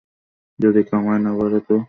যদি কামাই না বাড়ে তো?